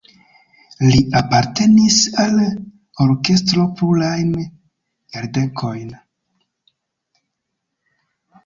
Li apartenis al orkestro plurajn jardekojn.